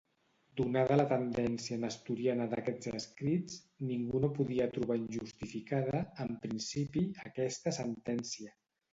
Donada la tendència nestoriana d'aquests escrits, ningú no podia trobar injustificada, en principi, aquesta sentència.